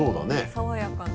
爽やかな。